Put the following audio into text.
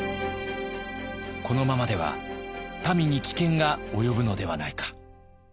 このままでは民に危険が及ぶのではないか。